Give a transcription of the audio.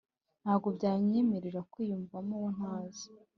ntabwo byanyemerera kwiyumvamo uwo ntazi